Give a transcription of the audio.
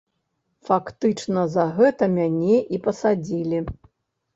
Фактычна, за гэта мяне і пасадзілі.